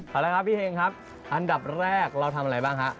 เอาละครับพี่เฮงครับอันดับแรกเราทำอะไรบ้างฮะ